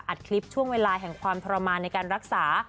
คลิปช่วงเวลาแห่งความทรมานในการรักษา